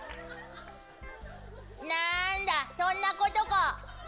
なんだ、そんなことか。